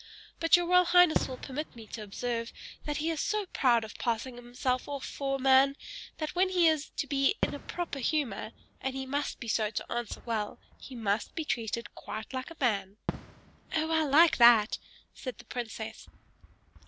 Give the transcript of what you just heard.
But your royal highness will permit me to observe, that he is so proud of passing himself off for a man, that when he is to be in a proper humor and he must be so to answer well he must be treated quite like a man." "Oh! I like that!" said the princess.